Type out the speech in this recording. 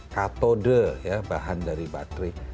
kato de bahan dari bateri